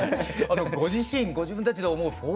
ご自身ご自分たちで思うふぉ